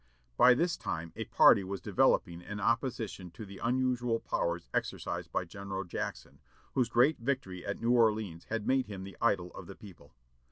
By this time a party was developing in opposition to the unusual powers exercised by General Jackson, whose great victory at New Orleans had made him the idol of the people.